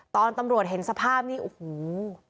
ตอนตำรวจเห็นสภาพนี่โอ้โห